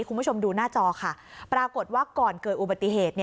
คุณผู้ชมดูหน้าจอค่ะปรากฏว่าก่อนเกิดอุบัติเหตุ